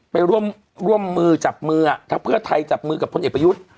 ไปร่วมมือจับมือถ้าเพื่อไทยจับมือกับพลเอกประยุทธ์